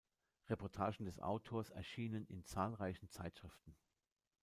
Reportagen des Autors erschienen in zahlreichen Zeitschriften.